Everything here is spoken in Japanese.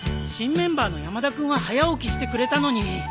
新メンバーの山田君は早起きしてくれたのに。